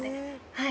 はい。